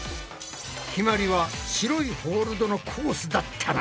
ひまりは白いホールドのコースだったな。